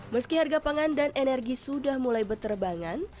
meski harga pangan dan energi sudah mulai berterbangan